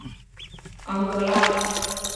昂格拉尔。